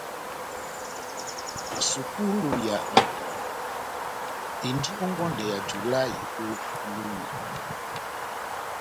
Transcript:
Sukulu ya bapuku endi ó ngɔndɛ yá julahï ó Lúma.